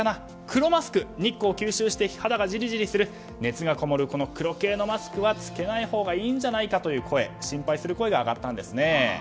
黒マスク、日光吸収して肌がじりじりする熱がこもる黒系のマスクは着けないほうがいいんじゃないか心配する声が上がったんですね。